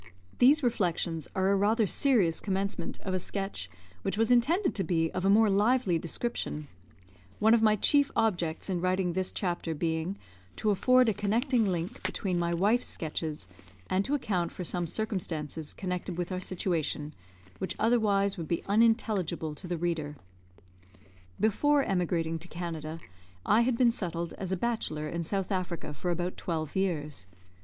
These reflections are a rather serious commencement of a sketch which was intended to be of a more lively description; one of my chief objects in writing this chapter being to afford a connecting link between my wife's sketches, and to account for some circumstances connected with our situation, which otherwise would be unintelligible to the reader. Before emigrating to Canada, I had been settled as a bachelor in South Africa for about twelve years.